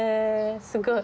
すごい。